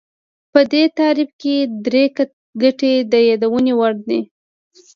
په دې تعریف کې درې ټکي د یادونې وړ دي